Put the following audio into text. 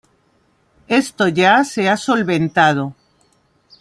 Esto ya se ha solventado.